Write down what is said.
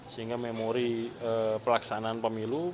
sehingga memori pelaksanaan pemilu